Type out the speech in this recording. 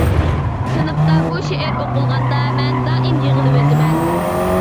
سىنىپتا بۇ شېئىر ئوقۇلغاندا، مەن دائىم يىغلىۋېتىمەن.